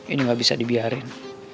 ini gabisa dibiarin